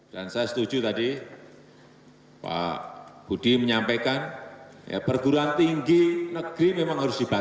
dan saya setuju tadi pak budi menyampaikan perguruan tinggi negeri memang harus dibatasi